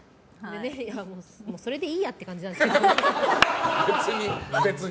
それでいいやって感じなんですね。